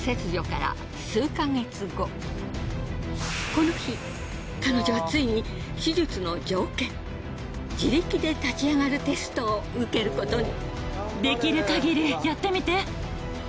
この日彼女はついに手術の条件自力で立ち上がるテストを受けることに。